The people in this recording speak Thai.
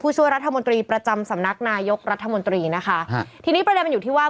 ช่วยรัฐมนตรีประจำสำนักนายกรัฐมนตรีนะคะฮะทีนี้ประเด็นมันอยู่ที่ว่า